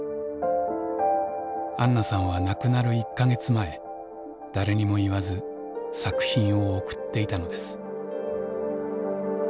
あんなさんは亡くなる１か月前誰にも言わず作品を送っていたのです。